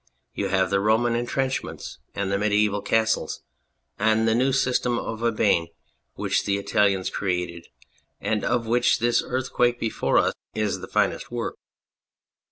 You have the Roman entrenchments, and the mediaeval castles, and the new system of Vauban which the Italians created, and of which this earth quake before us is the finest work.